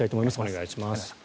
お願いします。